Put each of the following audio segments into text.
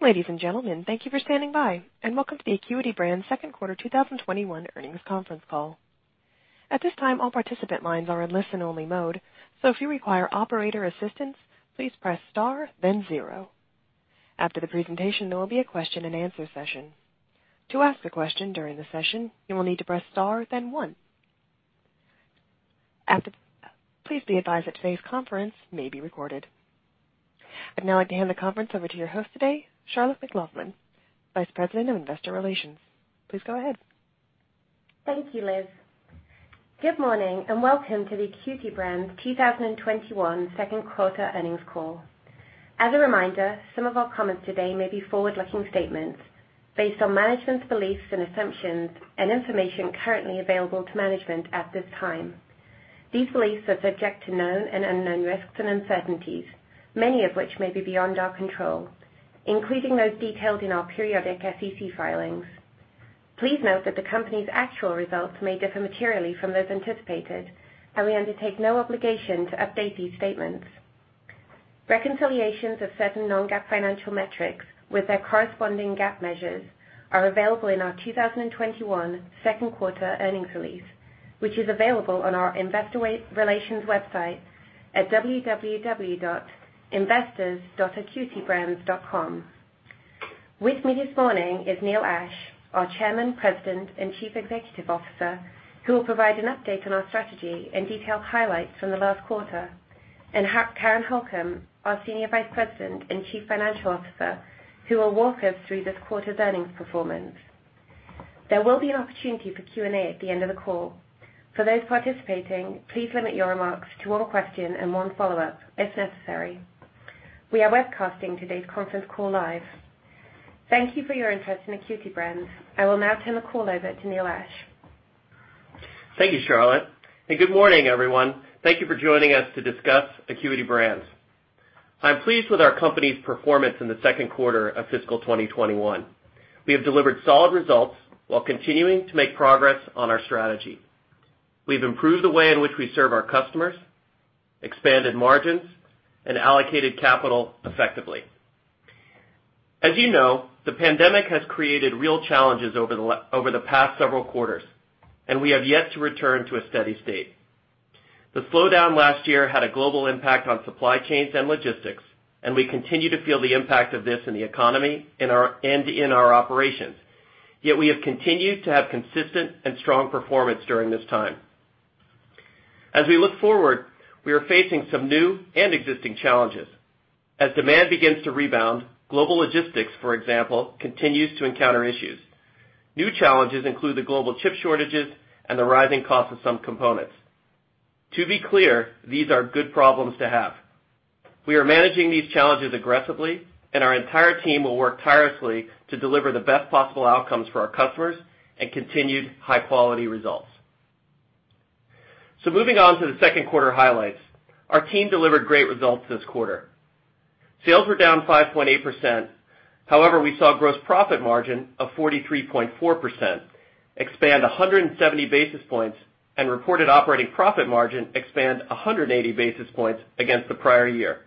Ladies and gentlemen, thank you for standing by and welcome to the Acuity Brands second quarter 2021 earnings conference call. I'd now like to hand the conference over to your host today, Charlotte McLaughlin, Vice President of Investor Relations. Please go ahead. Thank you, Liz. Good morning and welcome to the Acuity Brands 2021 second quarter earnings call. As a reminder, some of our comments today may be forward-looking statements based on management's beliefs and assumptions and information currently available to management at this time. These beliefs are subject to known and unknown risks and uncertainties, many of which may be beyond our control, including those detailed in our periodic SEC filings. Please note that the company's actual results may differ materially from those anticipated, and we undertake no obligation to update these statements. Reconciliations of certain non-GAAP financial metrics with their corresponding GAAP measures are available in our 2021 second quarter earnings release, which is available on our investor relations website at www.investors.acuitybrands.com. With me this morning is Neil Ashe, our Chairman, President, and Chief Executive Officer, who will provide an update on our strategy and detailed highlights from the last quarter, and Karen Holcom, our Senior Vice President and Chief Financial Officer, who will walk us through this quarter's earnings performance. There will be an opportunity for Q&A at the end of the call. For those participating, please limit your remarks to one question and one follow-up, if necessary. We are webcasting today's conference call live. Thank you for your interest in Acuity Brands. I will now turn the call over to Neil Ashe. Thank you, Charlotte, and good morning, everyone. Thank you for joining us to discuss Acuity Brands. I'm pleased with our company's performance in the second quarter of fiscal 2021. We have delivered solid results while continuing to make progress on our strategy. We've improved the way in which we serve our customers, expanded margins, and allocated capital effectively. As you know, the pandemic has created real challenges over the past several quarters, and we have yet to return to a steady state. The slowdown last year had a global impact on supply chains and logistics, and we continue to feel the impact of this in the economy and in our operations. Yet we have continued to have consistent and strong performance during this time. As we look forward, we are facing some new and existing challenges. As demand begins to rebound, global logistics, for example, continues to encounter issues. New challenges include the global chip shortages and the rising cost of some components. To be clear, these are good problems to have. We are managing these challenges aggressively, and our entire team will work tirelessly to deliver the best possible outcomes for our customers and continued high-quality results. Moving on to the second quarter highlights. Our team delivered great results this quarter. Sales were down 5.8%, however, we saw gross profit margin of 43.4% expand 170 basis points and reported operating profit margin expand 180 basis points against the prior year.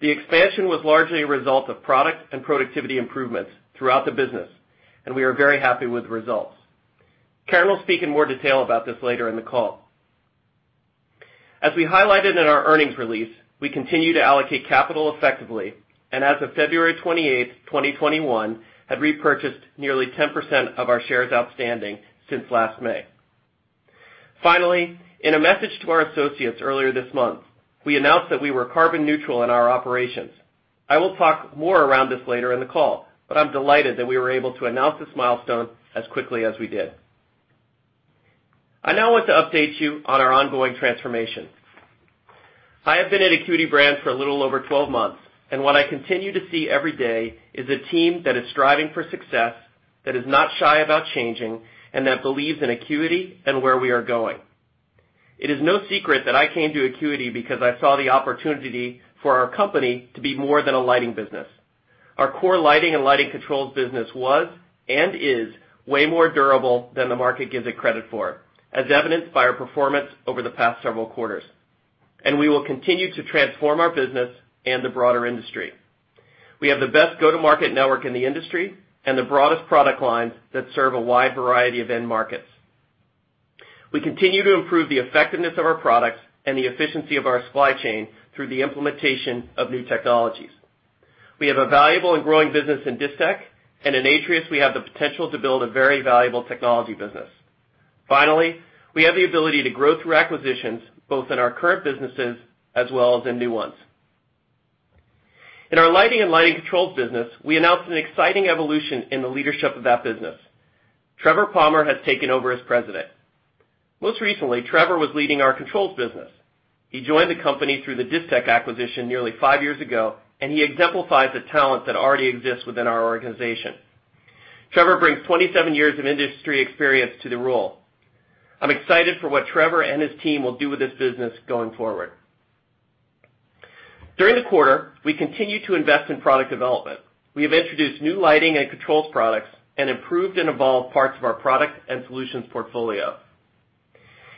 The expansion was largely a result of product and productivity improvements throughout the business, and we are very happy with the results. Karen will speak in more detail about this later in the call. As we highlighted in our earnings release, we continue to allocate capital effectively, and as of February 28th, 2021, had repurchased nearly 10% of our shares outstanding since last May. Finally, in a message to our associates earlier this month, we announced that we were carbon neutral in our operations. I will talk more around this later in the call, but I'm delighted that we were able to announce this milestone as quickly as we did. I now want to update you on our ongoing transformation. I have been at Acuity Brands for a little over 12 months, and what I continue to see every day is a team that is striving for success, that is not shy about changing, and that believes in Acuity and where we are going. It is no secret that I came to Acuity because I saw the opportunity for our company to be more than a lighting business. Our core lighting and lighting controls business was, and is, way more durable than the market gives it credit for, as evidenced by our performance over the past several quarters. We will continue to transform our business and the broader industry. We have the best go-to-market network in the industry and the broadest product lines that serve a wide variety of end markets. We continue to improve the effectiveness of our products and the efficiency of our supply chain through the implementation of new technologies. We have a valuable and growing business in Distech, and in Atrius, we have the potential to build a very valuable technology business. Finally, we have the ability to grow through acquisitions, both in our current businesses as well as in new ones. In our lighting and lighting controls business, we announced an exciting evolution in the leadership of that business. Trevor Palmer has taken over as President. Most recently, Trevor was leading our controls business. He joined the company through the Distech acquisition nearly five years ago, and he exemplifies the talent that already exists within our organization. Trevor brings 27 years of industry experience to the role. I'm excited for what Trevor and his team will do with this business going forward. During the quarter, we continued to invest in product development. We have introduced new lighting and controls products and improved and evolved parts of our product and solutions portfolio.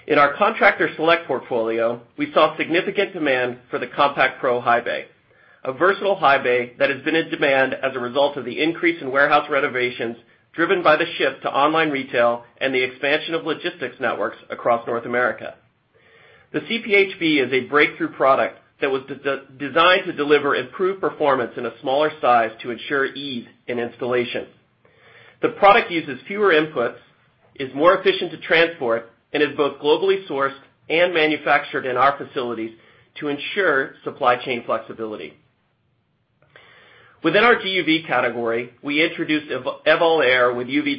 In our Contractor Select portfolio, we saw significant demand for the Compact Pro High Bay, a versatile high bay that has been in demand as a result of the increase in warehouse renovations driven by the shift to online retail and the expansion of logistics networks across North America. The CPHB is a breakthrough product that was designed to deliver improved performance in a smaller size to ensure ease in installation. The product uses fewer inputs, is more efficient to transport, and is both globally sourced and manufactured in our facilities to ensure supply chain flexibility. Within our GUV category, we introduced EvoAir with UV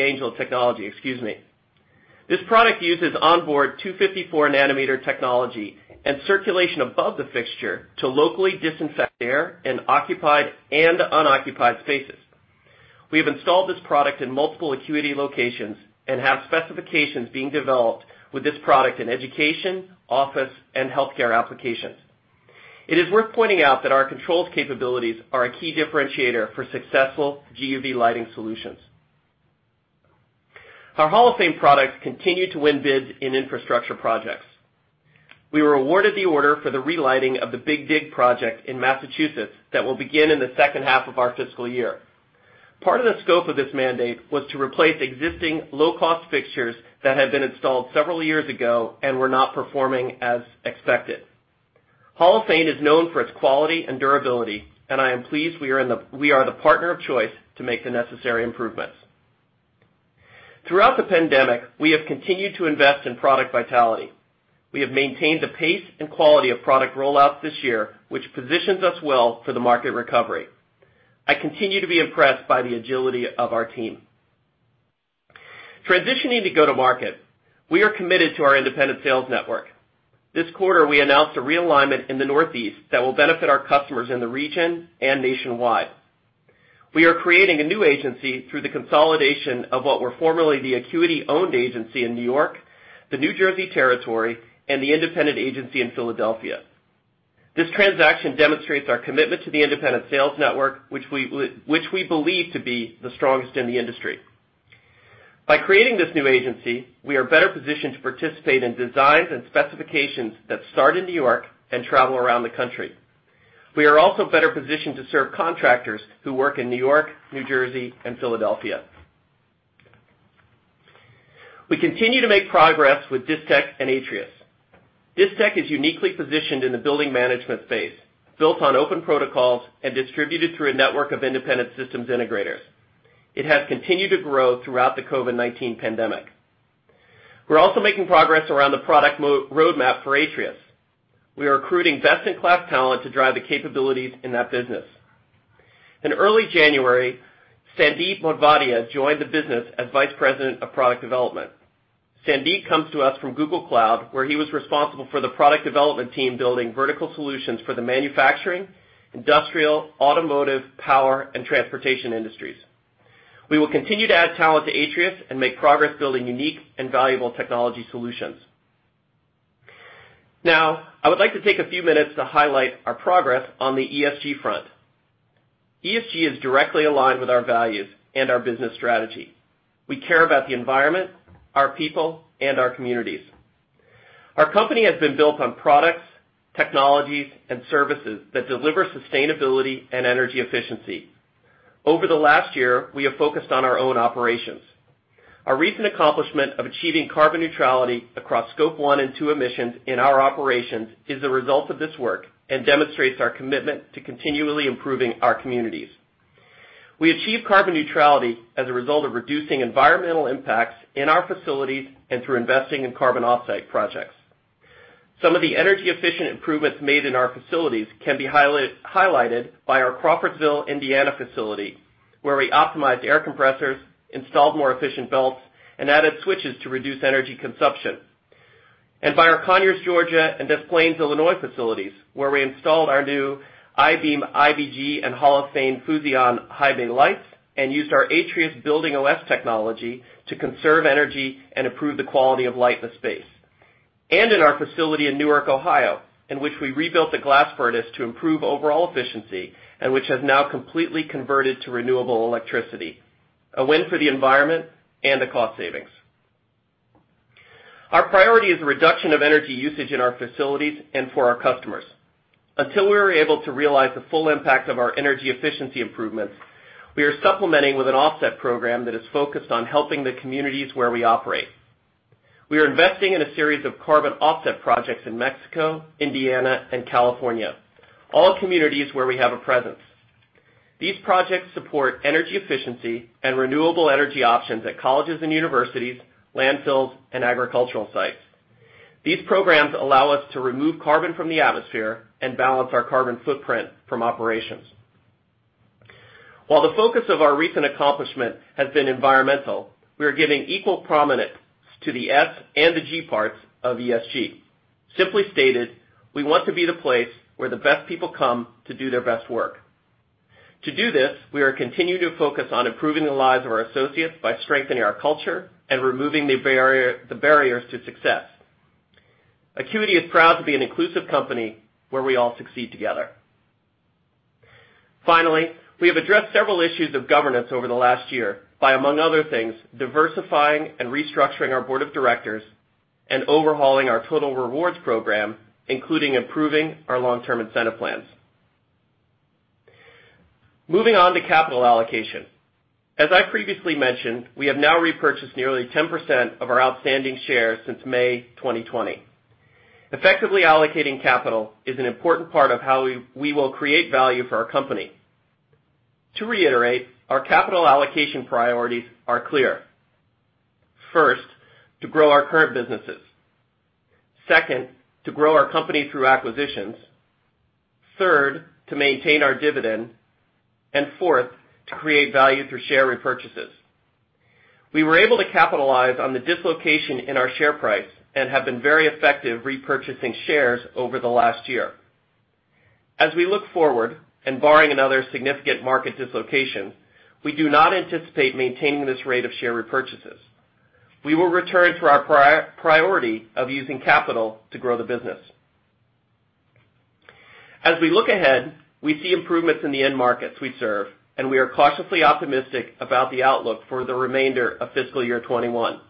Angel technology. This product uses onboard 254-nanometer technology and circulation above the fixture to locally disinfect air in occupied and unoccupied spaces. We have installed this product in multiple Acuity locations and have specifications being developed with this product in education, office, and healthcare applications. It is worth pointing out that our controls capabilities are a key differentiator for successful GUV lighting solutions. Our Holophane products continue to win bids in infrastructure projects. We were awarded the order for the relighting of the Big Dig project in Massachusetts that will begin in the second half of our fiscal year. Part of the scope of this mandate was to replace existing low-cost fixtures that had been installed several years ago and were not performing as expected. Holophane is known for its quality and durability, and I am pleased we are the partner of choice to make the necessary improvements. Throughout the pandemic, we have continued to invest in product vitality. We have maintained the pace and quality of product rollouts this year, which positions us well for the market recovery. I continue to be impressed by the agility of our team. Transitioning to go-to-market, we are committed to our independent sales network. This quarter, we announced a realignment in the Northeast that will benefit our customers in the region and nationwide. We are creating a new agency through the consolidation of what were formerly the Acuity-owned agency in New York, the New Jersey territory, and the independent agency in Philadelphia. This transaction demonstrates our commitment to the independent sales network, which we believe to be the strongest in the industry. By creating this new agency, we are better positioned to participate in designs and specifications that start in New York and travel around the country. We are also better positioned to serve contractors who work in New York, New Jersey, and Philadelphia. We continue to make progress with Distech and Atrius. Distech is uniquely positioned in the building management space, built on open protocols and distributed through a network of independent systems integrators. It has continued to grow throughout the COVID-19 pandemic. We're also making progress around the product roadmap for Atrius. We are recruiting best-in-class talent to drive the capabilities in that business. In early January, Sandeep Modhvadia joined the business as Vice President of Product Development. Sandeep comes to us from Google Cloud, where he was responsible for the product development team building vertical solutions for the manufacturing, industrial, automotive, power, and transportation industries. We will continue to add talent to Atrius and make progress building unique and valuable technology solutions. Now, I would like to take a few minutes to highlight our progress on the ESG front. ESG is directly aligned with our values and our business strategy. We care about the environment, our people, and our communities. Our company has been built on products, technologies, and services that deliver sustainability and energy efficiency. Over the last year, we have focused on our own operations. Our recent accomplishment of achieving carbon neutrality across Scope 1 and Scope 2 emissions in our operations is a result of this work and demonstrates our commitment to continually improving our communities. We achieved carbon neutrality as a result of reducing environmental impacts in our facilities and through investing in carbon offset projects. Some of the energy-efficient improvements made in our facilities can be highlighted by our Crawfordsville, Indiana facility, where we optimized air compressors, installed more efficient belts, and added switches to reduce energy consumption. By our Conyers, Georgia, and Des Plaines, Illinois, facilities, where we installed our new I-BEAM IBG and Holophane Phuzion high bay lights and used our Atrius BuildingOS technology to conserve energy and improve the quality of light in the space. In our facility in Newark, Ohio, in which we rebuilt the glass furnace to improve overall efficiency and which has now completely converted to renewable electricity, a win for the environment and a cost savings. Our priority is a reduction of energy usage in our facilities and for our customers. Until we are able to realize the full impact of our energy efficiency improvements, we are supplementing with an offset program that is focused on helping the communities where we operate. We are investing in a series of carbon offset projects in Mexico, Indiana, and California, all communities where we have a presence. These projects support energy efficiency and renewable energy options at colleges and universities, landfills, and agricultural sites. These programs allow us to remove carbon from the atmosphere and balance our carbon footprint from operations. While the focus of our recent accomplishment has been environmental, we are giving equal prominence to the S and the G parts of ESG. Simply stated, we want to be the place where the best people come to do their best work. To do this, we are continuing to focus on improving the lives of our associates by strengthening our culture and removing the barriers to success. Acuity is proud to be an inclusive company where we all succeed together. Finally, we have addressed several issues of governance over the last year by, among other things, diversifying and restructuring our Board of Directors and overhauling our total rewards program, including improving our long-term incentive plans. Moving on to capital allocation. As I previously mentioned, we have now repurchased nearly 10% of our outstanding shares since May 2020. Effectively allocating capital is an important part of how we will create value for our company. To reiterate, our capital allocation priorities are clear. First, to grow our current businesses. Second, to grow our company through acquisitions. Third, to maintain our dividend. Fourth, to create value through share repurchases. We were able to capitalize on the dislocation in our share price and have been very effective repurchasing shares over the last year. As we look forward, and barring another significant market dislocation, we do not anticipate maintaining this rate of share repurchases. We will return to our priority of using capital to grow the business. As we look ahead, we see improvements in the end markets we serve, and we are cautiously optimistic about the outlook for the remainder of fiscal year 2021.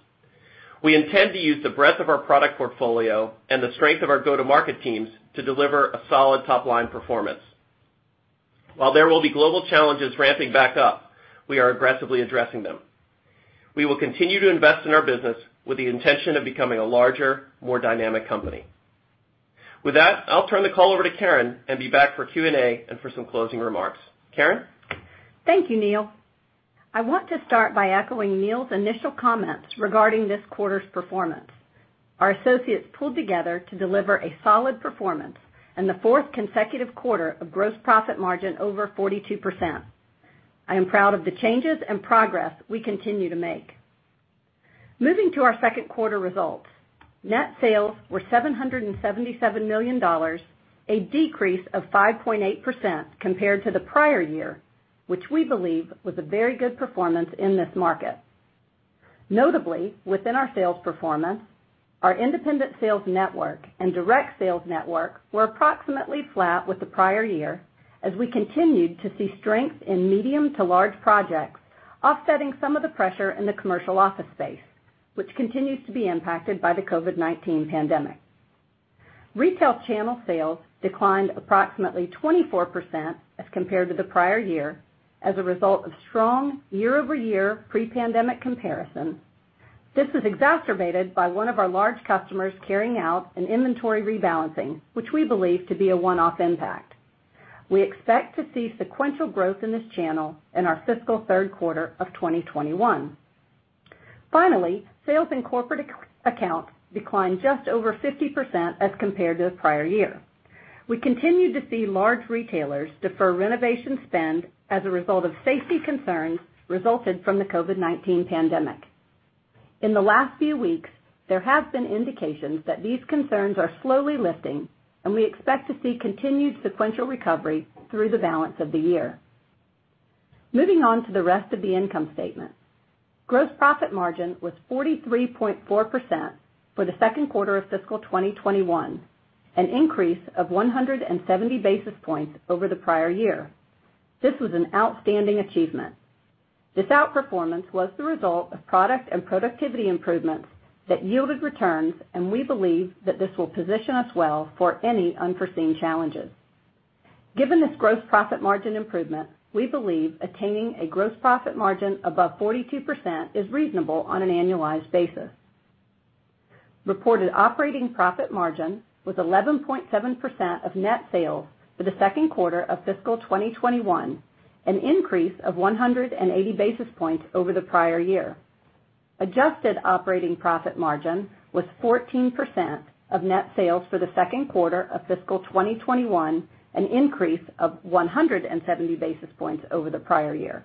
We intend to use the breadth of our product portfolio and the strength of our go-to-market teams to deliver a solid top-line performance. While there will be global challenges ramping back up, we are aggressively addressing them. We will continue to invest in our business with the intention of becoming a larger, more dynamic company. With that, I'll turn the call over to Karen and be back for Q&A and for some closing remarks. Karen? Thank you, Neil. I want to start by echoing Neil's initial comments regarding this quarter's performance. Our associates pulled together to deliver a solid performance and the fourth consecutive quarter of gross profit margin over 42%. I am proud of the changes and progress we continue to make. Moving to our second quarter results. Net sales were $777 million, a decrease of 5.8% compared to the prior year, which we believe was a very good performance in this market. Notably, within our sales performance, our independent sales network and direct sales network were approximately flat with the prior year as we continued to see strength in medium to large projects, offsetting some of the pressure in the commercial office space, which continues to be impacted by the COVID-19 pandemic. Retail channel sales declined approximately 24% as compared to the prior year as a result of strong year-over-year pre-pandemic comparison. This is exacerbated by one of our large customers carrying out an inventory rebalancing, which we believe to be a one-off impact. We expect to see sequential growth in this channel in our fiscal third quarter of 2021. Finally, sales in corporate accounts declined just over 50% as compared to the prior year. We continued to see large retailers defer renovation spend as a result of safety concerns resulted from the COVID-19 pandemic. In the last few weeks, there have been indications that these concerns are slowly lifting, and we expect to see continued sequential recovery through the balance of the year. Moving on to the rest of the income statement. Gross profit margin was 43.4% for the second quarter of fiscal 2021, an increase of 170 basis points over the prior year. This was an outstanding achievement. This outperformance was the result of product and productivity improvements that yielded returns, and we believe that this will position us well for any unforeseen challenges. Given this gross profit margin improvement, we believe attaining a gross profit margin above 42% is reasonable on an annualized basis. Reported operating profit margin was 11.7% of net sales for the second quarter of fiscal 2021, an increase of 180 basis points over the prior year. Adjusted operating profit margin was 14% of net sales for the second quarter of fiscal 2021, an increase of 170 basis points over the prior year.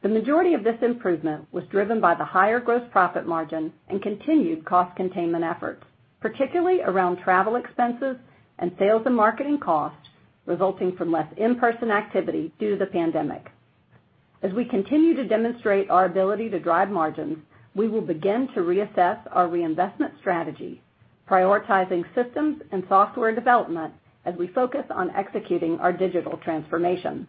The majority of this improvement was driven by the higher gross profit margin and continued cost containment efforts, particularly around travel expenses and sales and marketing costs resulting from less in-person activity due to the pandemic. We continue to demonstrate our ability to drive margins, we will begin to reassess our reinvestment strategy, prioritizing systems and software development as we focus on executing our digital transformation.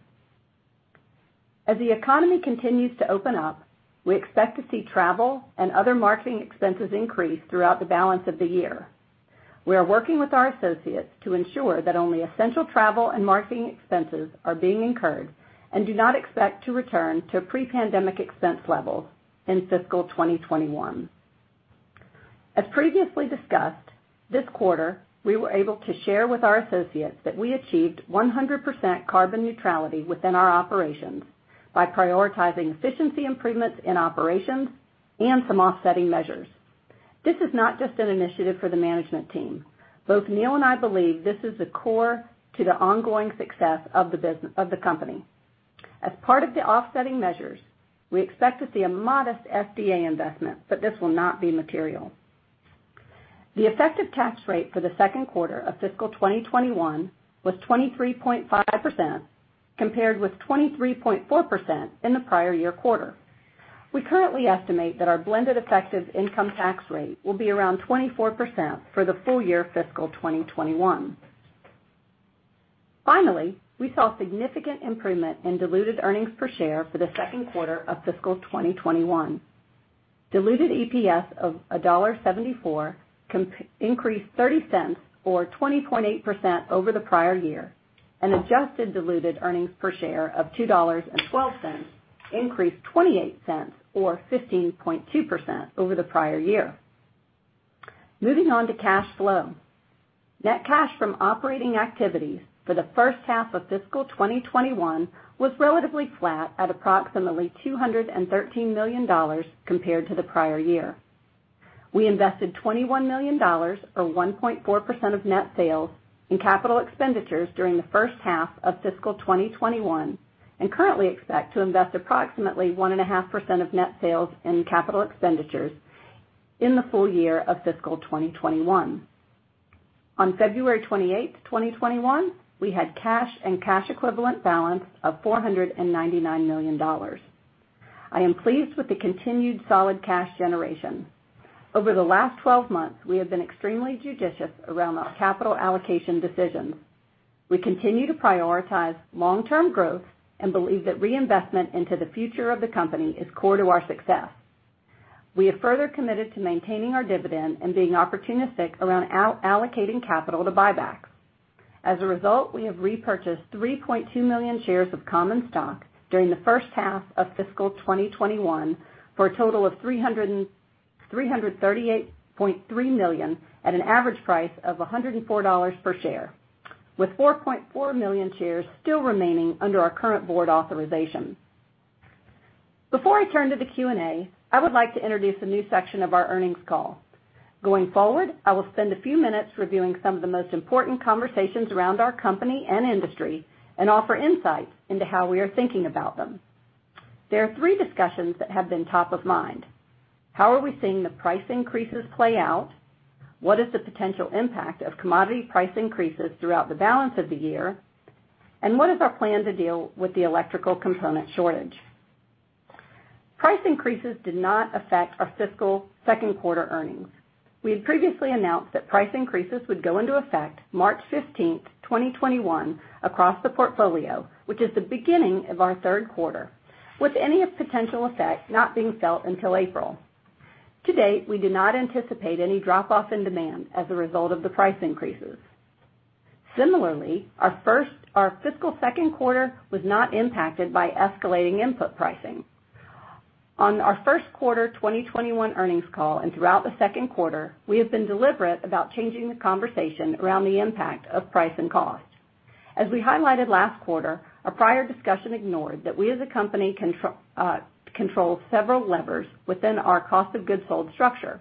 The economy continues to open up, we expect to see travel and other marketing expenses increase throughout the balance of the year. We are working with our associates to ensure that only essential travel and marketing expenses are being incurred and do not expect to return to pre-pandemic expense levels in fiscal 2021. Previously discussed, this quarter, we were able to share with our associates that we achieved 100% carbon neutrality within our operations by prioritizing efficiency improvements in operations and some offsetting measures. This is not just an initiative for the management team. Both Neil and I believe this is the core to the ongoing success of the company. As part of the offsetting measures, we expect to see a modest SDA investment, but this will not be material. The effective tax rate for the second quarter of fiscal 2021 was 23.5%, compared with 23.4% in the prior year quarter. We currently estimate that our blended effective income tax rate will be around 24% for the full year fiscal 2021. Finally, we saw significant improvement in diluted earnings per share for the second quarter of fiscal 2021. Diluted EPS of $1.74 increased $0.30, or 20.8% over the prior year, and adjusted diluted earnings per share of $2.12 increased $0.28 or 15.2% over the prior year. Moving on to cash flow. Net cash from operating activities for the first half of fiscal 2021 was relatively flat at approximately $213 million compared to the prior year. We invested $21 million, or 1.4% of net sales, in capital expenditures during the first half of fiscal 2021, and currently expect to invest approximately 1.5% of net sales in capital expenditures in the full year of fiscal 2021. On February 28th, 2021, we had cash and cash equivalent balance of $499 million. I am pleased with the continued solid cash generation. Over the last 12 months, we have been extremely judicious around our capital allocation decisions. We continue to prioritize long-term growth and believe that reinvestment into the future of the company is core to our success. We have further committed to maintaining our dividend and being opportunistic around allocating capital to buybacks. As a result, we have repurchased 3.2 million shares of common stock during the first half of fiscal 2021 for a total of $338.3 million at an average price of $104 per share, with 4.4 million shares still remaining under our current board authorization. Before I turn to the Q&A, I would like to introduce a new section of our earnings call. Going forward, I will spend a few minutes reviewing some of the most important conversations around our company and industry and offer insights into how we are thinking about them. There are three discussions that have been top of mind. How are we seeing the price increases play out? What is the potential impact of commodity price increases throughout the balance of the year? What is our plan to deal with the electrical component shortage? Price increases did not affect our fiscal second quarter earnings. We had previously announced that price increases would go into effect March 15th, 2021, across the portfolio, which is the beginning of our third quarter, with any potential effect not being felt until April. To date, we do not anticipate any drop off in demand as a result of the price increases. Similarly, our fiscal second quarter was not impacted by escalating input pricing. On our first quarter 2021 earnings call and throughout the second quarter, we have been deliberate about changing the conversation around the impact of price and cost. As we highlighted last quarter, our prior discussion ignored that we as a company control several levers within our cost of goods sold structure.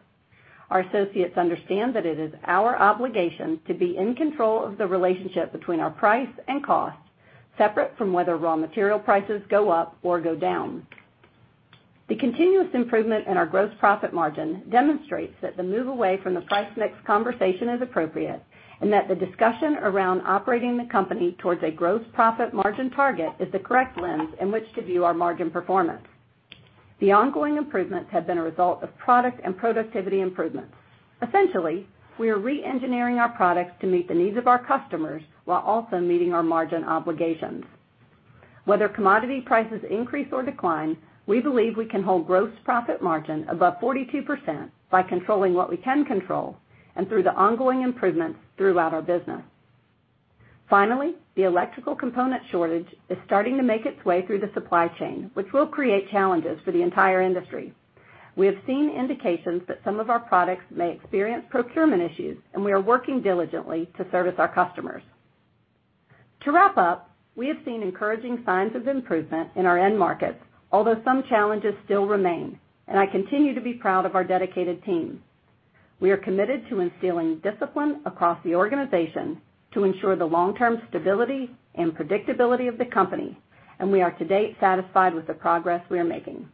Our associates understand that it is our obligation to be in control of the relationship between our price and cost, separate from whether raw material prices go up or go down. The continuous improvement in our gross profit margin demonstrates that the move away from the price mix conversation is appropriate, that the discussion around operating the company towards a gross profit margin target is the correct lens in which to view our margin performance. The ongoing improvements have been a result of product and productivity improvements. Essentially, we are re-engineering our products to meet the needs of our customers while also meeting our margin obligations. Whether commodity prices increase or decline, we believe we can hold gross profit margin above 42% by controlling what we can control and through the ongoing improvements throughout our business. The electrical component shortage is starting to make its way through the supply chain, which will create challenges for the entire industry. We have seen indications that some of our products may experience procurement issues, and we are working diligently to service our customers. To wrap up, we have seen encouraging signs of improvement in our end markets, although some challenges still remain, and I continue to be proud of our dedicated team. We are committed to instilling discipline across the organization to ensure the long-term stability and predictability of the company, and we are to date satisfied with the progress we are making.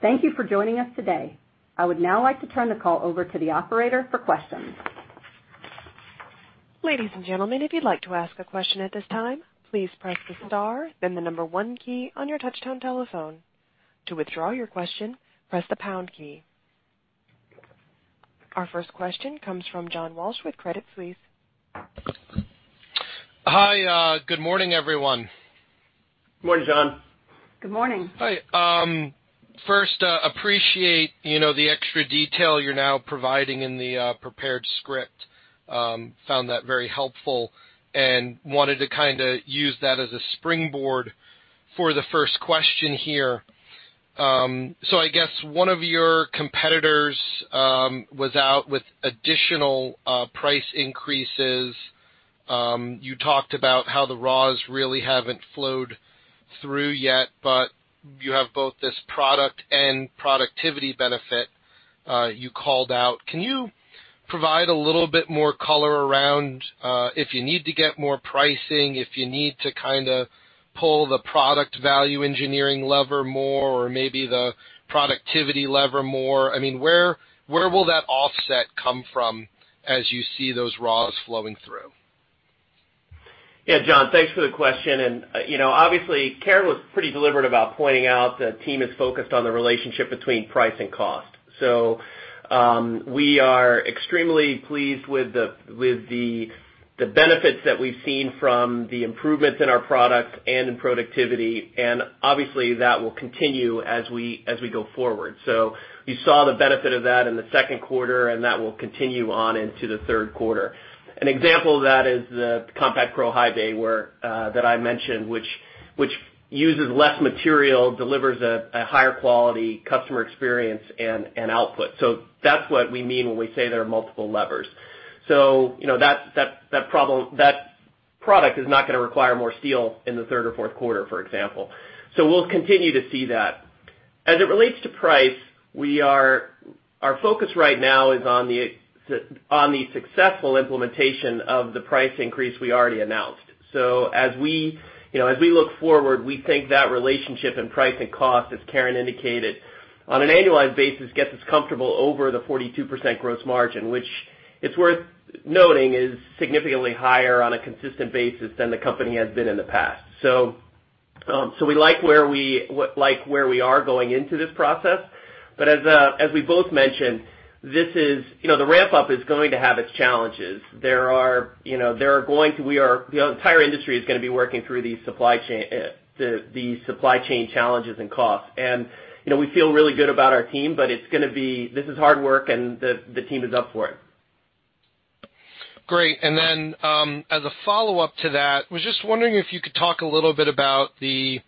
Thank you for joining us today. I would now like to turn the call over to the operator for questions. Our first question comes from John Walsh with Credit Suisse. Hi. Good morning, everyone. Morning, John. Good morning. Hi. First, appreciate the extra detail you're now providing in the prepared script. Found that very helpful and wanted to use that as a springboard for the first question here. I guess one of your competitors was out with additional price increases. You talked about how the raws really haven't flowed through yet, but you have both this product and productivity benefit you called out. Can you provide a little bit more color around if you need to get more pricing, if you need to pull the product value engineering lever more, or maybe the productivity lever more? Where will that offset come from as you see those raws flowing through? Yeah, John, thanks for the question. Obviously, Karen was pretty deliberate about pointing out the team is focused on the relationship between price and cost. We are extremely pleased with the benefits that we've seen from the improvements in our products and in productivity. Obviously, that will continue as we go forward. You saw the benefit of that in the second quarter, and that will continue on into the third quarter. An example of that is the Compact Pro High Bay that I mentioned, which uses less material, delivers a higher quality customer experience, and output. That's what we mean when we say there are multiple levers. That product is not going to require more steel in the third or fourth quarter, for example. We'll continue to see that. As it relates to price, our focus right now is on the successful implementation of the price increase we already announced. As we look forward, we think that relationship in price and cost, as Karen indicated, on an annualized basis, gets us comfortable over the 42% gross margin, which it's worth noting, is significantly higher on a consistent basis than the company has been in the past. We like where we are going into this process. As we both mentioned, the ramp-up is going to have its challenges. The entire industry is going to be working through these supply chain challenges and costs. We feel really good about our team, but this is hard work, and the team is up for it. Great. As a follow-up to that, was just wondering if you could talk a little bit about the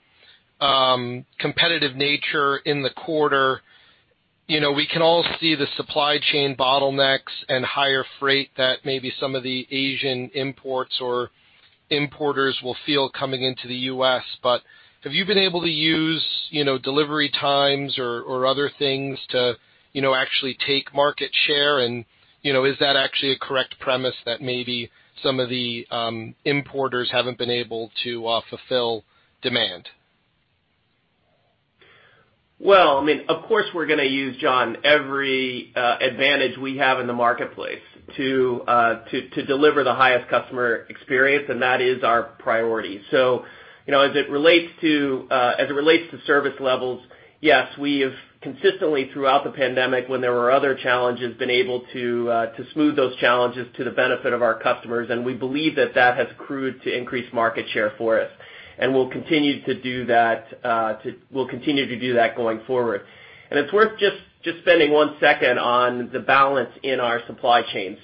competitive nature in the quarter? We can all see the supply chain bottlenecks and higher freight that maybe some of the Asian imports or importers will feel coming into the U.S. Have you been able to use delivery times or other things to actually take market share and is that actually a correct premise that maybe some of the importers haven't been able to fulfill demand? Well, of course, we're going to use, John, every advantage we have in the marketplace to deliver the highest customer experience, and that is our priority. As it relates to service levels, yes, we have consistently, throughout the pandemic, when there were other challenges, been able to smooth those challenges to the benefit of our customers, and we believe that that has accrued to increased market share for us. We'll continue to do that going forward. It's worth just spending one second on the balance in our supply chain.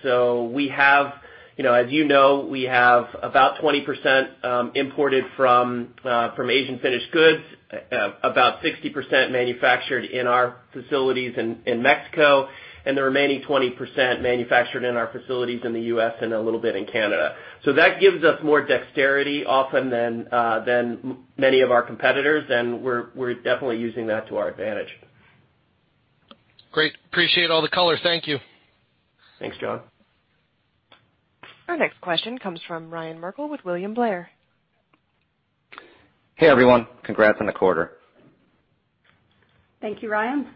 As you know, we have about 20% imported from Asian finished goods, about 60% manufactured in our facilities in Mexico, and the remaining 20% manufactured in our facilities in the U.S. and a little bit in Canada. That gives us more dexterity often than many of our competitors, and we're definitely using that to our advantage. Great. Appreciate all the color. Thank you. Thanks, John. Our next question comes from Ryan Merkel with William Blair. Hey, everyone. Congrats on the quarter. Thank you, Ryan.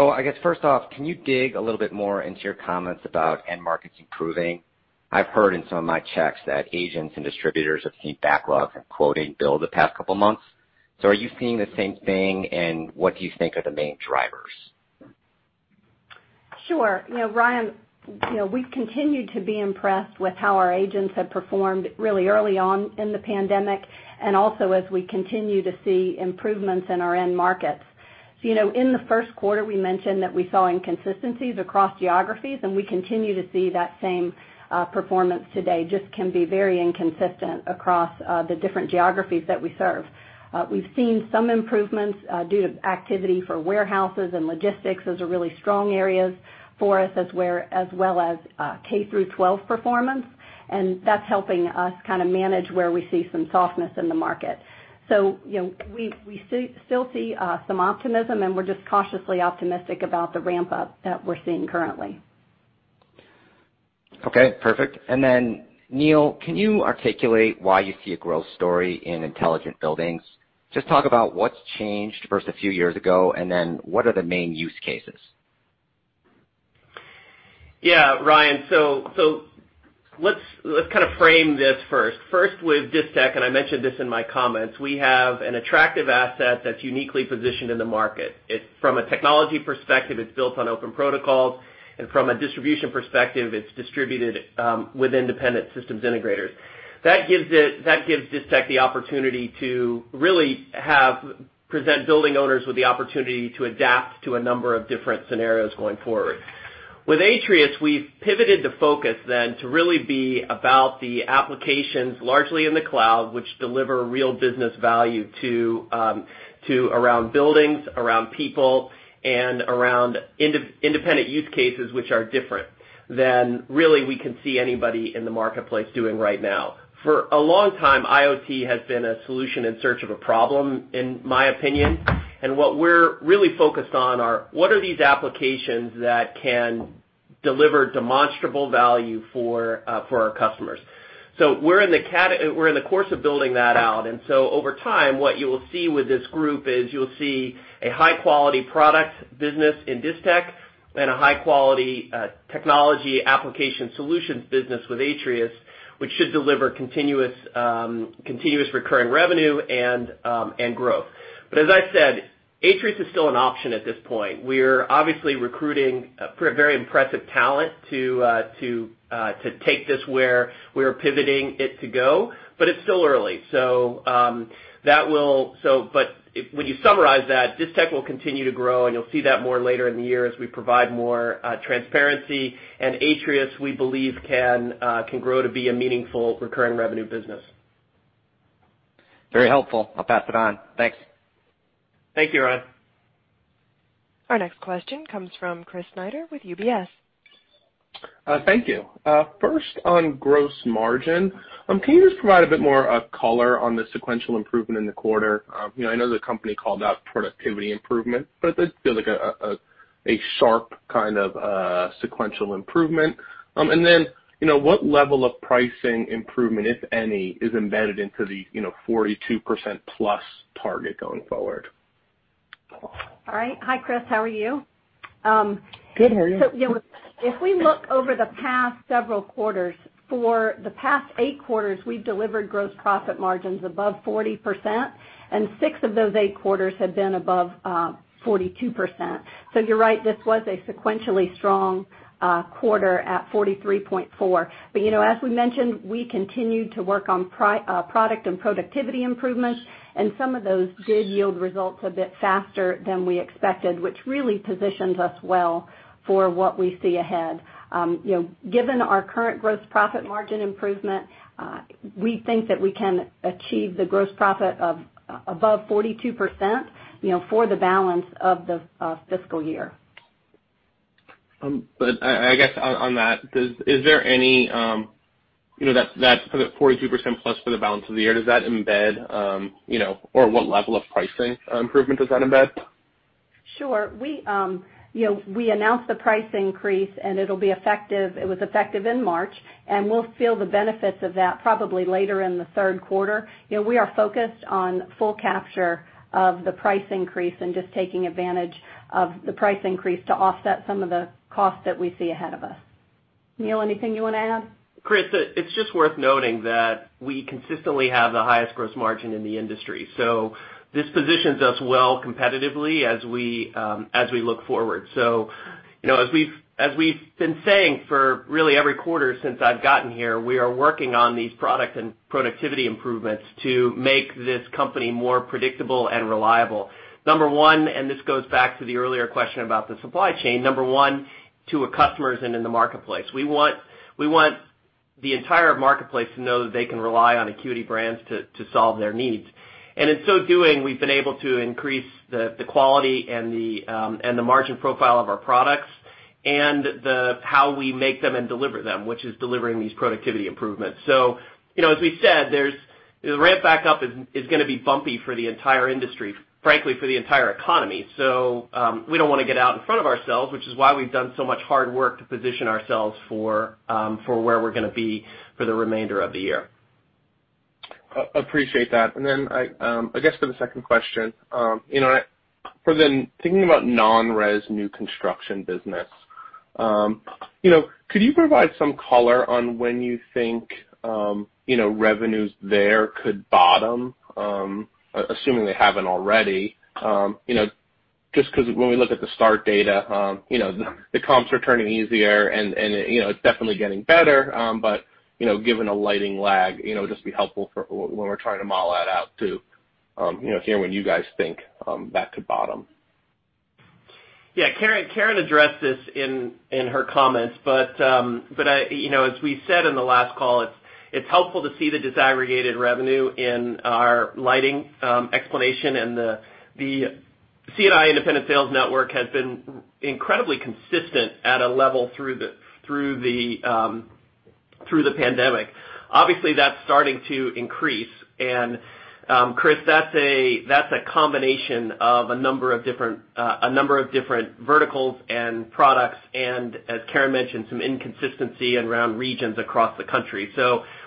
I guess first off, can you dig a little bit more into your comments about end markets improving? I've heard in some of my checks that agents and distributors have seen backlog from quoting bill the past couple of months. Are you seeing the same thing, and what do you think are the main drivers? Sure. Ryan, we've continued to be impressed with how our agents have performed really early on in the pandemic and also as we continue to see improvements in our end markets. In the first quarter, we mentioned that we saw inconsistencies across geographies, and we continue to see that same performance today, just can be very inconsistent across the different geographies that we serve. We've seen some improvements due to activity for warehouses and logistics. Those are really strong areas for us, as well as K-12 performance. That's helping us kind of manage where we see some softness in the market. We still see some optimism, and we're just cautiously optimistic about the ramp-up that we're seeing currently. Okay, perfect. Neil, can you articulate why you see a growth story in intelligent buildings? Just talk about what's changed versus a few years ago, and then what are the main use cases? Yeah. Ryan, let's kind of frame this first. First, with Distech, I mentioned this in my comments, we have an attractive asset that's uniquely positioned in the market. From a technology perspective, it's built on open protocols, from a distribution perspective, it's distributed with independent systems integrators. That gives Distech the opportunity to really present building owners with the opportunity to adapt to a number of different scenarios going forward. With Atrius, we've pivoted the focus to really be about the applications largely in the cloud, which deliver real business value around buildings, around people, and around independent use cases which are different than really we can see anybody in the marketplace doing right now. For a long time, IoT has been a solution in search of a problem, in my opinion. What we're really focused on are what are these applications that can deliver demonstrable value for our customers. We're in the course of building that out. Over time, what you will see with this group is you'll see a high-quality product business in Distech. And a high-quality technology application solutions business with Atrius, which should deliver continuous recurring revenue and growth. As I said, Atrius is still an option at this point. We're obviously recruiting for a very impressive talent to take this where we're pivoting it to go, but it's still early. When you summarize that, Distech will continue to grow, and you'll see that more later in the year as we provide more transparency. Atrius, we believe, can grow to be a meaningful recurring revenue business. Very helpful. I'll pass it on. Thanks. Thank you, Ryan. Our next question comes from Chris Snyder with UBS. Thank you. First, on gross margin, can you just provide a bit more color on the sequential improvement in the quarter? I know the company called out productivity improvement. That feels like a sharp kind of sequential improvement. What level of pricing improvement, if any, is embedded into the 42%+ target going forward? All right. Hi, Chris. How are you? Good. How are you? If we look over the past several quarters, for the past eight quarters, we've delivered gross profit margins above 40%, and six of those eight quarters have been above 42%. You're right, this was a sequentially strong quarter at 43.4%. As we mentioned, we continued to work on product and productivity improvements, and some of those did yield results a bit faster than we expected, which really positions us well for what we see ahead. Given our current gross profit margin improvement, we think that we can achieve the gross profit of above 42% for the balance of the fiscal year. I guess on that 43%+ for the balance of the year, does that embed or what level of pricing improvement does that embed? Sure. We announced the price increase, and it was effective in March, and we'll feel the benefits of that probably later in the third quarter. We are focused on full capture of the price increase and just taking advantage of the price increase to offset some of the costs that we see ahead of us. Neil, anything you want to add? Chris, it's just worth noting that we consistently have the highest gross margin in the industry. This positions us well competitively as we look forward. As we've been saying for really every quarter since I've gotten here, we are working on these product and productivity improvements to make this company more predictable and reliable. Number one, and this goes back to the earlier question about the supply chain, number one, to our customers and in the marketplace. We want the entire marketplace to know that they can rely on Acuity Brands to solve their needs. In so doing, we've been able to increase the quality and the margin profile of our products and how we make them and deliver them, which is delivering these productivity improvements. As we said, the ramp back up is going to be bumpy for the entire industry, frankly, for the entire economy. We don't want to get out in front of ourselves, which is why we've done so much hard work to position ourselves for where we're going to be for the remainder of the year. Appreciate that. I guess for the second question, for then thinking about non-res new construction business, could you provide some color on when you think revenues there could bottom, assuming they haven't already? Because when we look at the start data, the comps are turning easier, and it's definitely getting better. Given a lighting lag, it'd just be helpful for when we're trying to model that out to hear when you guys think that could bottom. Yeah. Karen addressed this in her comments, but as we said in the last call, it's helpful to see the disaggregated revenue in our lighting explanation, and the C&I independent sales network has been incredibly consistent at a level through the pandemic. That's starting to increase. Chris, that's a combination of a number of different verticals and products and, as Karen mentioned, some inconsistency around regions across the country.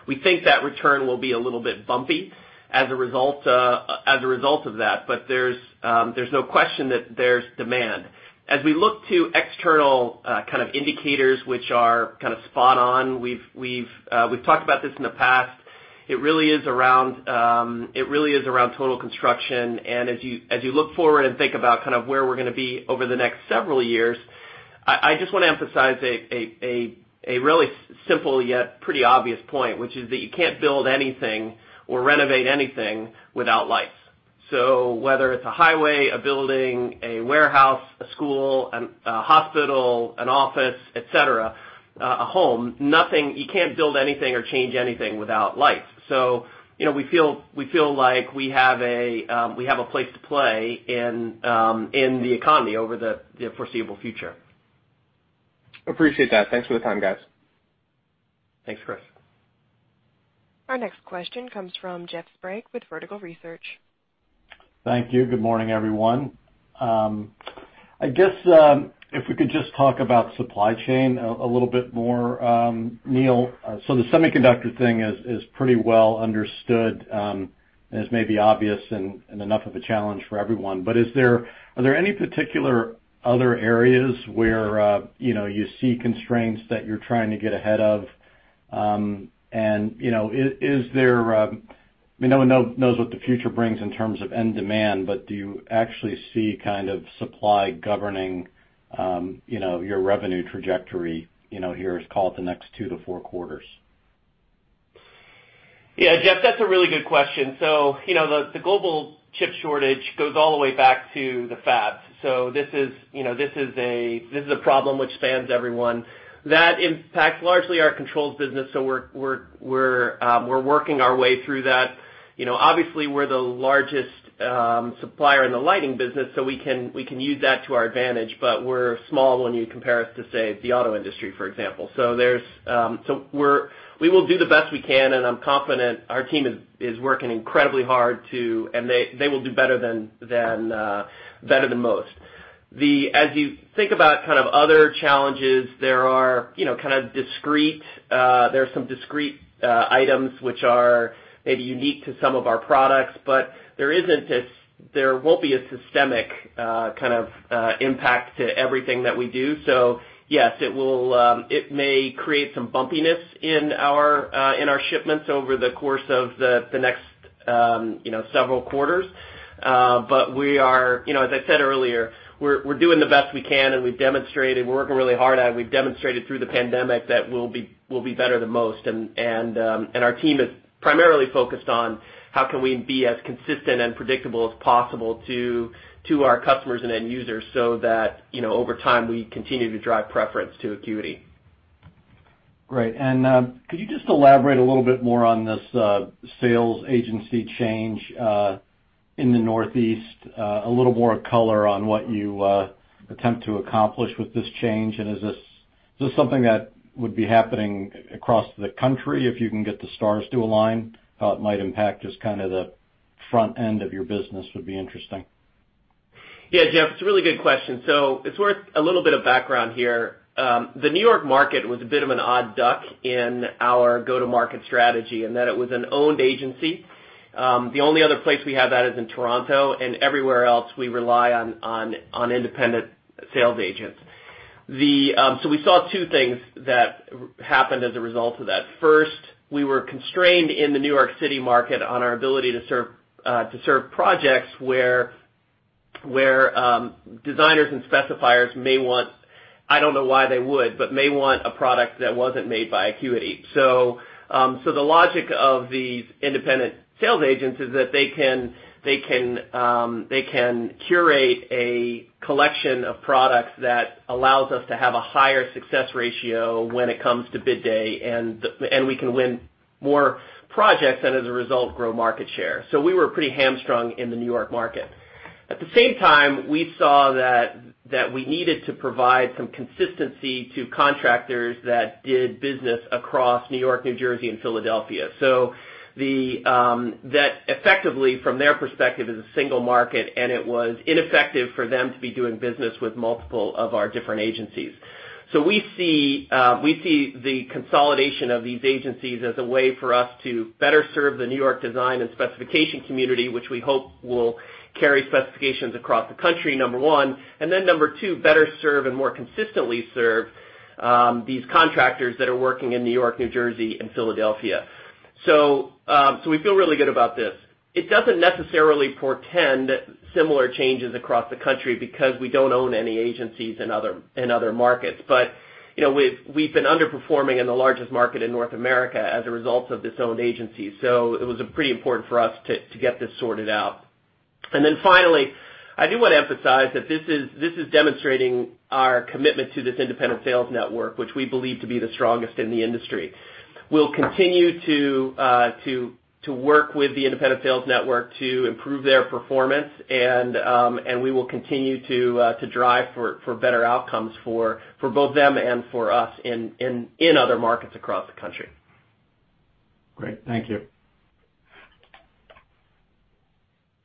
We think that return will be a little bit bumpy as a result of that. There's no question that there's demand. We look to external kind of indicators which are kind of spot on. We've talked about this in the past. It really is around total construction. As you look forward and think about kind of where we're going to be over the next several years, I just want to emphasize a really simple, yet pretty obvious point, which is that you can't build anything or renovate anything without lights. Whether it's a highway, a building, a warehouse, a school, a hospital, an office, et cetera, a home, you can't build anything or change anything without lights. We feel like we have a place to play in the economy over the foreseeable future. Appreciate that. Thanks for the time, guys. Thanks, Chris. Our next question comes from Jeff Sprague with Vertical Research. Thank you. Good morning, everyone. I guess if we could just talk about supply chain a little bit more, Neil. The semiconductor thing is pretty well understood, and is maybe obvious and enough of a challenge for everyone. Are there any particular other areas where you see constraints that you're trying to get ahead of? No one knows what the future brings in terms of end demand, but do you actually see kind of supply governing your revenue trajectory here is call it the next two to four quarters? Yeah, Jeff, that's a really good question. The global chip shortage goes all the way back to the fabs. That impacts largely our controls business, so we're working our way through that. Obviously, we're the largest supplier in the lighting business, so we can use that to our advantage, but we're small when you compare us to, say, the auto industry, for example. We will do the best we can, and I'm confident our team is working incredibly hard, and they will do better than most. As you think about other challenges, there are some discrete items which are maybe unique to some of our products, but there won't be a systemic kind of impact to everything that we do. Yes, it may create some bumpiness in our shipments over the course of the next several quarters. As I said earlier, we're doing the best we can, and we're working really hard at it. We've demonstrated through the pandemic that we'll be better than most. Our team is primarily focused on how can we be as consistent and predictable as possible to our customers and end users so that over time we continue to drive preference to Acuity. Great. Could you just elaborate a little bit more on this sales agency change in the Northeast? A little more color on what you attempt to accomplish with this change. Is this something that would be happening across the country, if you can get the stars to align? How it might impact just kind of the front end of your business would be interesting. Yeah, Jeff, it's a really good question. It's worth a little bit of background here. The New York market was a bit of an odd duck in our go-to-market strategy in that it was an owned agency. The only other place we have that is in Toronto, and everywhere else, we rely on independent sales agents. We saw two things that happened as a result of that. First, we were constrained in the New York City market on our ability to serve projects where designers and specifiers may want, I don't know why they would, but may want a product that wasn't made by Acuity. The logic of these independent sales agents is that they can curate a collection of products that allows us to have a higher success ratio when it comes to bid day, and we can win more projects and as a result, grow market share. We were pretty hamstrung in the New York market. At the same time, we saw that we needed to provide some consistency to contractors that did business across New York, New Jersey, and Philadelphia. That effectively from their perspective is a single market, and it was ineffective for them to be doing business with multiple of our different agencies. We see the consolidation of these agencies as a way for us to better serve the New York design and specification community, which we hope will carry specifications across the country, number one, number two, better serve and more consistently serve these contractors that are working in New York, New Jersey, and Philadelphia. We feel really good about this. It doesn't necessarily portend similar changes across the country because we don't own any agencies in other markets. We've been underperforming in the largest market in North America as a result of this owned agency. It was pretty important for us to get this sorted out. Finally, I do want to emphasize that this is demonstrating our commitment to this independent sales network, which we believe to be the strongest in the industry. We'll continue to work with the independent sales network to improve their performance, and we will continue to drive for better outcomes for both them and for us in other markets across the country. Great. Thank you.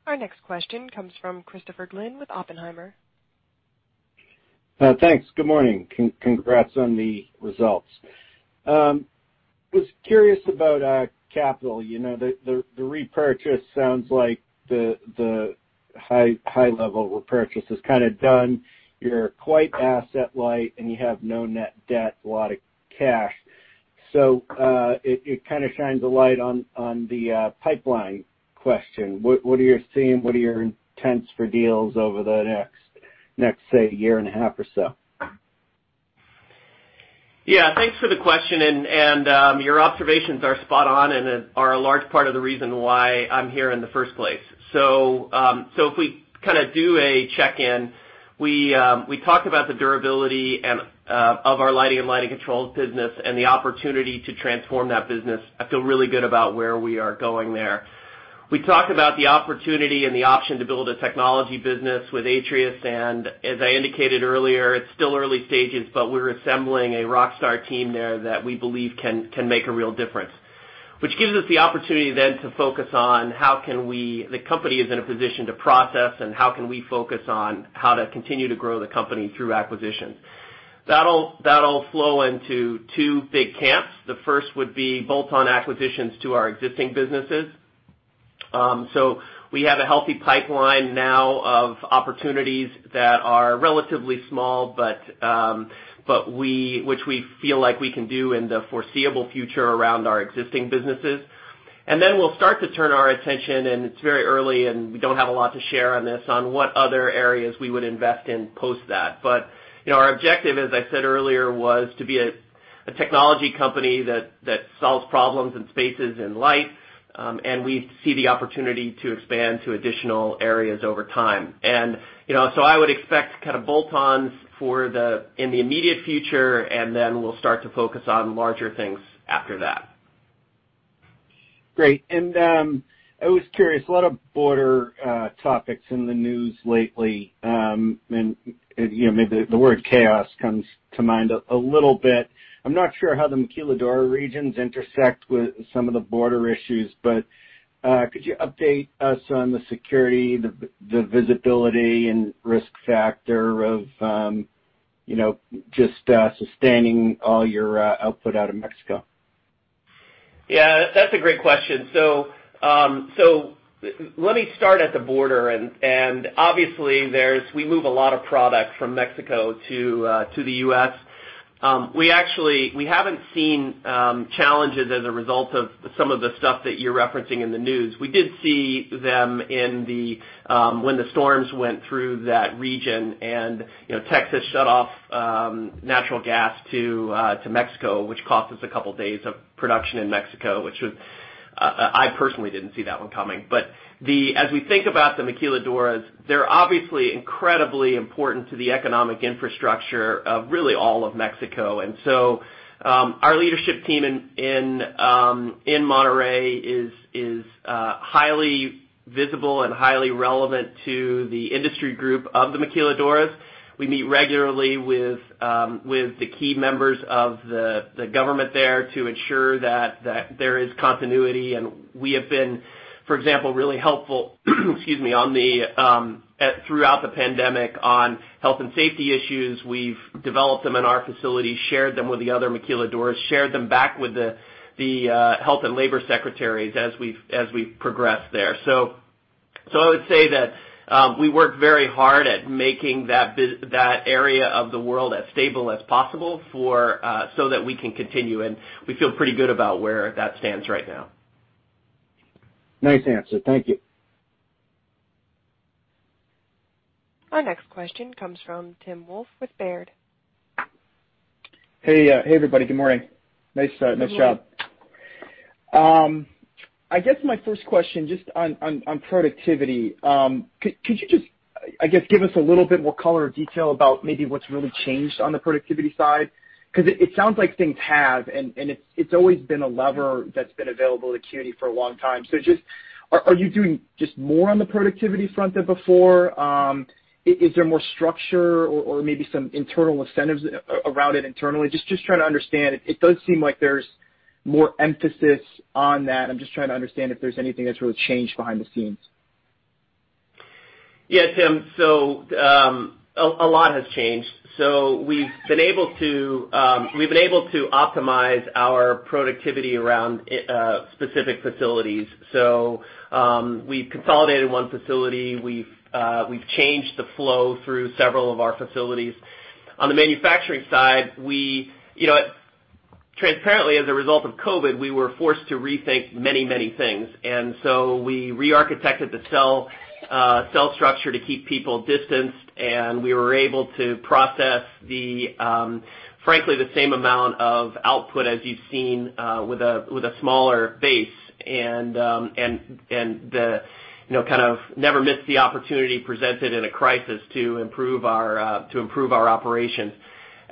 Our next question comes from Christopher Glynn with Oppenheimer. Thanks. Good morning. Congrats on the results. I was curious about capital. The repurchase sounds like the high-level repurchase is kind of done. You're quite asset light, and you have no net debt, a lot of cash. It kind of shines a light on the pipeline question. What are you seeing? What are your intents for deals over the next, say, year and a half or so? Yeah. Thanks for the question. Your observations are spot on and are a large part of the reason why I'm here in the first place. If we kind of do a check-in, we talk about the durability of our lighting and lighting controls business and the opportunity to transform that business. I feel really good about where we are going there. We talk about the opportunity and the option to build a technology business with Atrius, and as I indicated earlier, it's still early stages, but we're assembling a rockstar team there that we believe can make a real difference. Which gives us the opportunity then to focus on how the company is in a position to process and how can we focus on how to continue to grow the company through acquisitions. That'll flow into two big camps. The first would be bolt-on acquisitions to our existing businesses. We have a healthy pipeline now of opportunities that are relatively small, which we feel like we can do in the foreseeable future around our existing businesses. Then we'll start to turn our attention, and it's very early, and we don't have a lot to share on this, on what other areas we would invest in post that. Our objective, as I said earlier, was to be a technology company that solves problems in spaces and light, and we see the opportunity to expand to additional areas over time. I would expect bolt-ons in the immediate future, and then we'll start to focus on larger things after that. Great. I was curious, a lot of border topics in the news lately. Maybe the word chaos comes to mind a little bit. I'm not sure how the maquiladora regions intersect with some of the border issues, but could you update us on the security, the visibility and risk factor of just sustaining all your output out of Mexico? Yeah, that's a great question. Let me start at the border, and obviously, we move a lot of product from Mexico to the U.S. We haven't seen challenges as a result of some of the stuff that you're referencing in the news. We did see them when the storms went through that region, and Texas shut off natural gas to Mexico, which cost us a couple of days of production in Mexico. I personally didn't see that one coming. As we think about the maquiladoras, they're obviously incredibly important to the economic infrastructure of really all of Mexico. Our leadership team in Monterrey is highly visible and highly relevant to the industry group of the maquiladoras. We meet regularly with the key members of the government there to ensure that there is continuity, and we have been, for example, really helpful excuse me, throughout the pandemic on health and safety issues. We've developed them in our facility, shared them with the other maquiladoras, shared them back with the health and labor secretaries as we've progressed there. I would say that we work very hard at making that area of the world as stable as possible so that we can continue, and we feel pretty good about where that stands right now. Nice answer. Thank you. Our next question comes from Tim Wolf with Baird. Hey, everybody. Good morning. Nice job. I guess my first question, just on productivity. Could you just, I guess, give us a little bit more color or detail about maybe what's really changed on the productivity side? It sounds like things have, and it's always been a lever that's been available to Acuity for a long time. Are you doing just more on the productivity front than before? Is there more structure or maybe some internal incentives around it internally? Just trying to understand. It does seem like there's more emphasis on that. I'm just trying to understand if there's anything that's really changed behind the scenes. Yeah, Tim. A lot has changed. We've been able to optimize our productivity around specific facilities. We've consolidated one facility. We've changed the flow through several of our facilities. On the manufacturing side, transparently, as a result of COVID, we were forced to rethink many things. We rearchitected the cell structure to keep people distanced, and we were able to process frankly the same amount of output as you've seen with a smaller base and kind of never missed the opportunity presented in a crisis to improve our operations.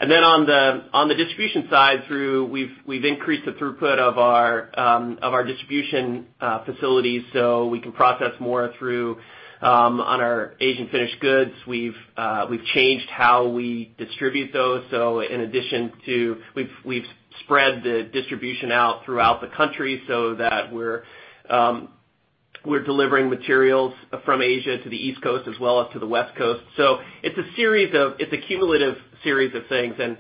On the distribution side, we've increased the throughput of our distribution facilities so we can process more through on our Asian finished goods. We've changed how we distribute those. We've spread the distribution out throughout the country so that we're delivering materials from Asia to the East Coast as well as to the West Coast. It's a cumulative series of things. As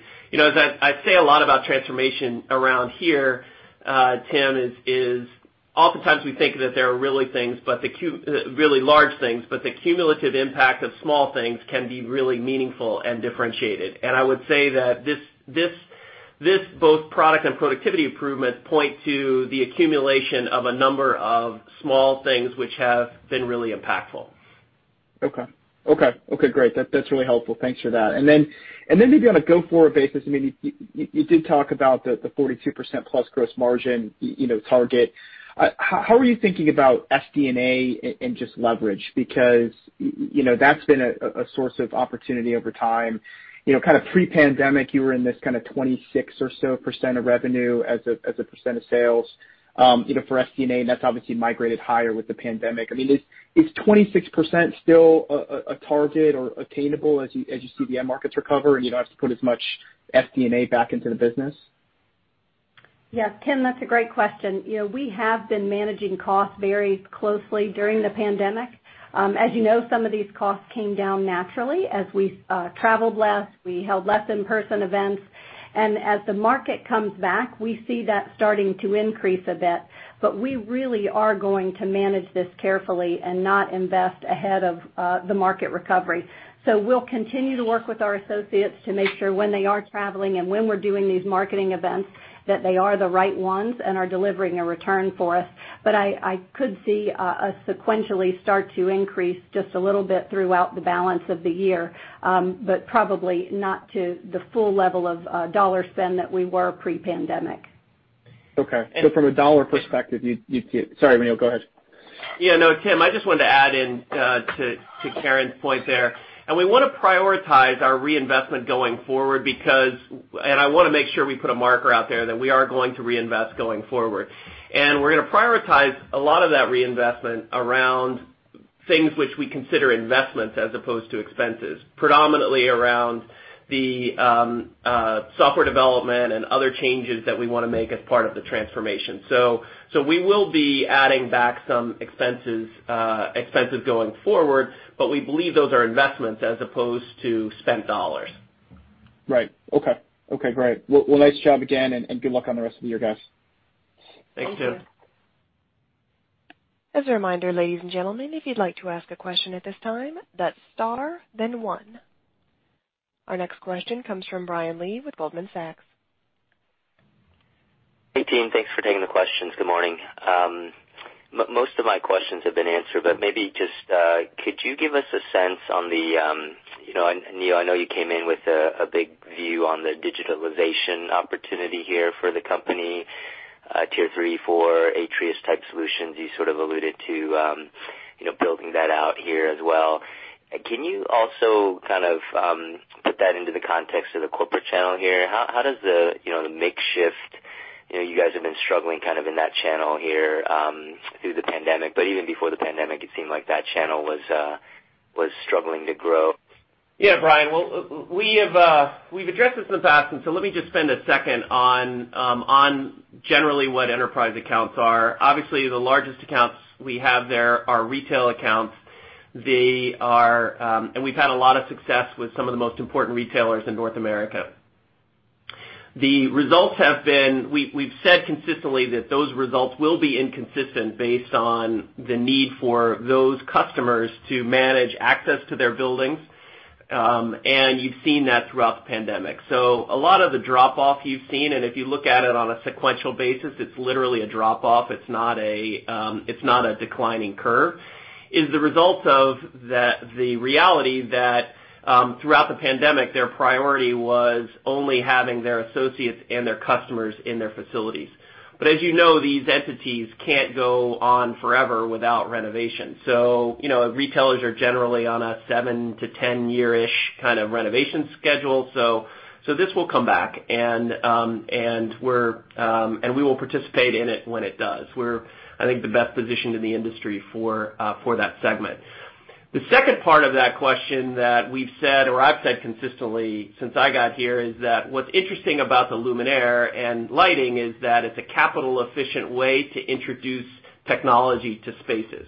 I say a lot about transformation around here, Tim, is oftentimes we think that there are really large things, but the cumulative impact of small things can be really meaningful and differentiated. I would say that this both product and productivity improvements point to the accumulation of a number of small things which have been really impactful. Okay, great. That's really helpful. Thanks for that. Then maybe on a go-forward basis, you did talk about the 42%+ gross margin target. How are you thinking about SG&A and just leverage? Because that's been a source of opportunity over time. Kind of pre-pandemic, you were in this kind of 26% or so of revenue as a percent of sales for SG&A, and that's obviously migrated higher with the pandemic. Is 26% still a target or attainable as you see the end markets recover and you don't have to put as much SG&A back into the business? Yes, Tim, that's a great question. We have been managing costs very closely during the pandemic. As you know, some of these costs came down naturally as we traveled less, we held less in-person events. As the market comes back, we see that starting to increase a bit, but we really are going to manage this carefully and not invest ahead of the market recovery. We'll continue to work with our associates to make sure when they are traveling and when we're doing these marketing events, that they are the right ones and are delivering a return for us. I could see us sequentially start to increase just a little bit throughout the balance of the year. Probably not to the full level of dollar spend that we were pre-pandemic. Okay. From a dollar perspective, sorry, Neil, go ahead. Yeah, no, Tim, I just wanted to add in to Karen's point there. We want to prioritize our reinvestment going forward because, I want to make sure we put a marker out there that we are going to reinvest going forward. We're going to prioritize a lot of that reinvestment around things which we consider investments as opposed to expenses, predominantly around the software development and other changes that we want to make as part of the transformation. We will be adding back some expenses going forward, we believe those are investments as opposed to spent dollars. Right. Okay, great. Well, nice job again, and good luck on the rest of your guys. Thank you. As a reminder, ladies and gentlemen, if you'd like to ask a question at this time, that's star, then one. Our next question comes from Brian Lee with Goldman Sachs. Hey, team. Thanks for taking the questions. Good morning. Most of my questions have been answered, but maybe just could you give us a sense on the, and Neil, I know you came in with a big view on the digitalization opportunity here for the company, Tier 3, 4, Atrius-type solutions you sort of alluded to building that out here as well. Can you also kind of put that into the context of the corporate channel here? How does the mix shift? You guys have been struggling kind of in that channel here through the pandemic, but even before the pandemic, it seemed like that channel was struggling to grow. Yeah, Brian. Well, we've addressed this in the past, let me just spend a second on generally what enterprise accounts are. Obviously, the largest accounts we have there are retail accounts. We've had a lot of success with some of the most important retailers in North America. The results we've said consistently that those results will be inconsistent based on the need for those customers to manage access to their buildings. You've seen that throughout the pandemic. A lot of the drop-off you've seen, and if you look at it on a sequential basis, it's literally a drop-off, it's not a declining curve, is the result of the reality that throughout the pandemic, their priority was only having their associates and their customers in their facilities. As you know, these entities can't go on forever without renovation. Retailers are generally on a seven to 10 year-ish kind of renovation schedule. This will come back, and we will participate in it when it does. We're, I think, the best positioned in the industry for that segment. The second part of that question that we've said, or I've said consistently since I got here, is that what's interesting about the luminaire and lighting is that it's a capital-efficient way to introduce technology to spaces.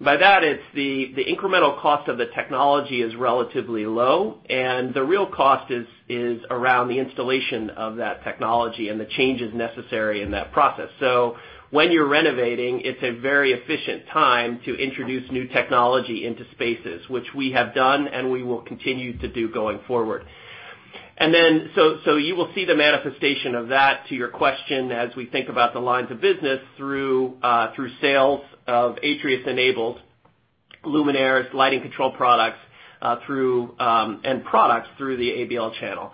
By that, it's the incremental cost of the technology is relatively low, and the real cost is around the installation of that technology and the changes necessary in that process. When you're renovating, it's a very efficient time to introduce new technology into spaces, which we have done, and we will continue to do going forward. You will see the manifestation of that to your question as we think about the lines of business through sales of Atrius-enabled luminaires, lighting control products, and products through the ABL channel.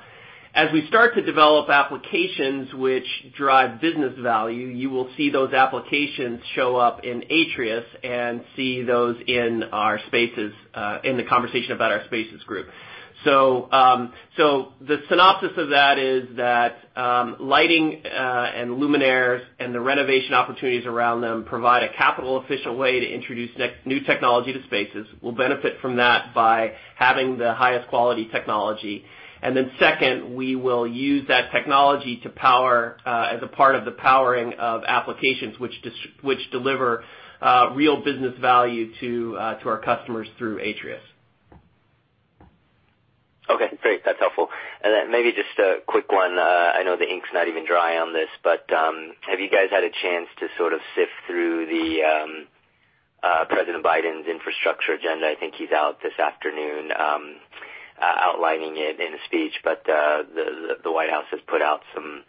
As we start to develop applications which drive business value, you will see those applications show up in Atrius and see those in the conversation about our Spaces group. The synopsis of that is that lighting and luminaires and the renovation opportunities around them provide a capital-efficient way to introduce new technology to spaces. We'll benefit from that by having the highest quality technology. Second, we will use that technology as a part of the powering of applications which deliver real business value to our customers through Atrius. Okay, great. That's helpful. Then maybe just a quick one. I know the ink's not even dry on this, but have you guys had a chance to sort of sift through President Biden's infrastructure agenda? I think he's out this afternoon outlining it in a speech, but the White House has put out some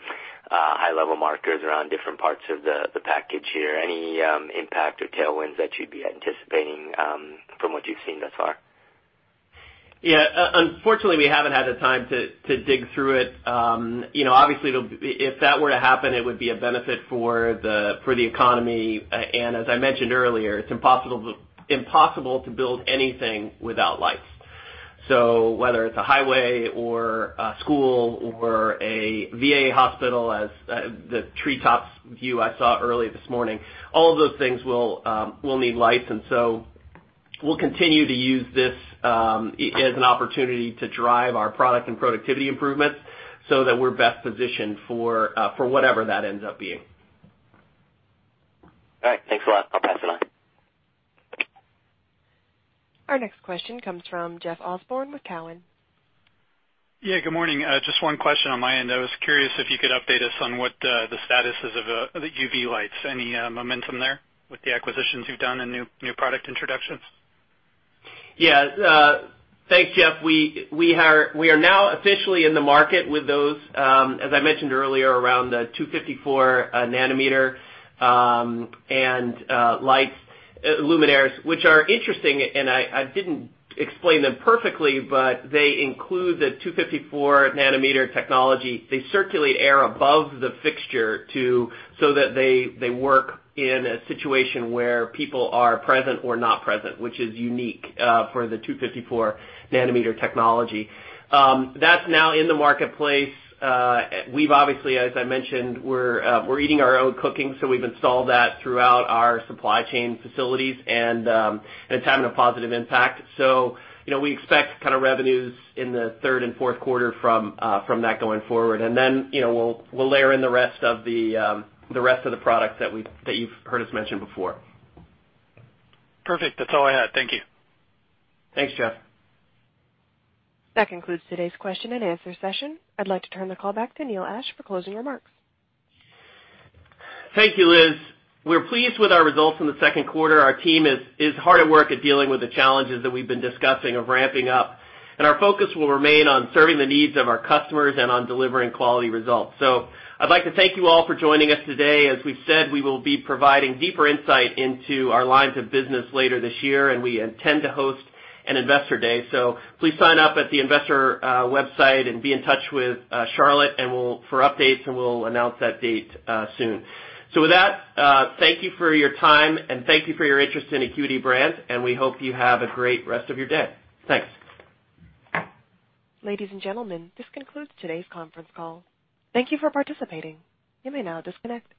high-level markers around different parts of the package here. Any impact or tailwinds that you'd be anticipating from what you've seen thus far? Yeah. Unfortunately, we haven't had the time to dig through it. Obviously, if that were to happen, it would be a benefit for the economy. As I mentioned earlier, it's impossible to build anything without lights. Whether it's a highway or a school or a VA hospital as the Treetops view I saw early this morning, all of those things will need lights. We'll continue to use this as an opportunity to drive our product and productivity improvements so that we're best positioned for whatever that ends up being. All right, thanks a lot. I'll pass it on. Our next question comes from Jeff Osborne with Cowen. Yeah, good morning. Just one question on my end. I was curious if you could update us on what the status is of the UV lights. Any momentum there with the acquisitions you've done and new product introductions? Yeah. Thanks, Jeff. We are now officially in the market with those, as I mentioned earlier, around the 254-nanometer and lights, luminaires, which are interesting, and I didn't explain them perfectly, but they include the 254-nanometer technology. They circulate air above the fixture so that they work in a situation where people are present or not present, which is unique for the 254-nanometer technology. That's now in the marketplace. We've obviously, as I mentioned, we're eating our own cooking, so we've installed that throughout our supply chain facilities, and it's having a positive impact. We expect kind of revenues in the third and fourth quarter from that going forward. We'll layer in the rest of the products that you've heard us mention before. Perfect. That's all I had. Thank you. Thanks, Jeff. That concludes today's question and answer session. I'd like to turn the call back to Neil Ashe for closing remarks. Thank you, Liz. We're pleased with our results in the second quarter. Our team is hard at work at dealing with the challenges that we've been discussing of ramping up, and our focus will remain on serving the needs of our customers and on delivering quality results. I'd like to thank you all for joining us today. As we've said, we will be providing deeper insight into our lines of business later this year, and we intend to host an investor day. Please sign up at the investor website and be in touch with Charlotte for updates and we'll announce that date soon. With that, thank you for your time and thank you for your interest in Acuity Brands, and we hope you have a great rest of your day. Thanks. Ladies and gentlemen, this concludes today's conference call. Thank you for participating. You may now disconnect.